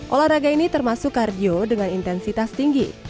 olahraga ini termasuk kardio dengan intensitas tinggi